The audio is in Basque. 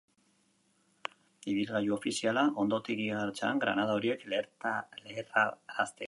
Ibilgailu ofiziala ondotik igarotzean, granada horiek leherrarazteko asmoa zuten.